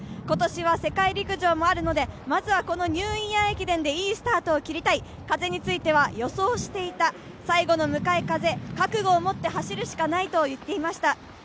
今年は世界陸上もあるので、まずはニューイヤー駅伝でいいスタートを切りたい、風については予想していた、最後の向かい風、覚悟を持って走るかしかないと言っていました。